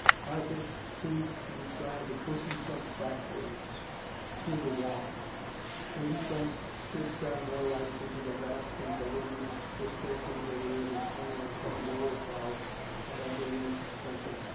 Arthur seemed to be trying to push himself backwards through the wall. Lady Franks switched on more lights into the vast and voluminous crystal chandelier which hung like some glory cloud above the room's centre.